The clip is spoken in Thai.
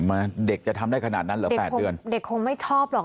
มาเด็กจะทำได้ขนาดนั้นเหรอแปดเดือนเด็กคงไม่ชอบหรอก